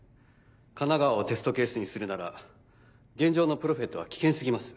神奈川をテストケースにするなら現状のプロフェットは危険過ぎます。